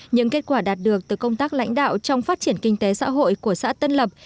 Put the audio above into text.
những kết quả đạt được từ công tác lãnh đạo trong phát triển kinh tế xã hội của xã tân lập